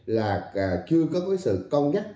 là chưa có sự công nhắc